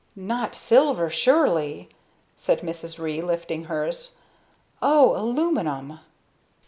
"Not silver, surely!" said Mrs. Ree, lifting hers, "Oh, aluminum."